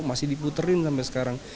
masih diputerin sampai sekarang